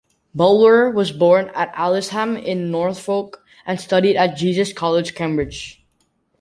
Bulwer was born at Aylsham in Norfolk and studied at Jesus College, Cambridge.